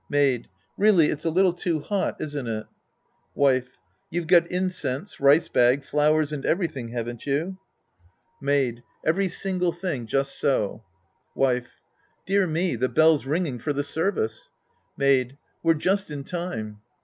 Maid. Really it's a little too hot, isn't it ? Wife. You've got incense, rice bag, flowers and everything, haven't you ? 68 The Priest and His Disciples Act 11 Maid. Every single thing just so. Wife. Dear me, the bell's ringing for the service. Maid. We're just in time.